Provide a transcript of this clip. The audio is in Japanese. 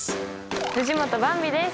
藤本ばんびです。